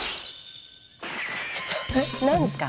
ちょっと何ですか？